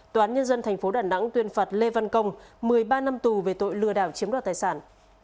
tòa án nhân dân tp đà nẵng tuyên phạt lê văn công một mươi ba năm tù về tội lừa đảo chiếm đoạt tài sản